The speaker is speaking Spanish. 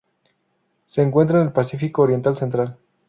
Se encuentra en el Pacífico oriental central.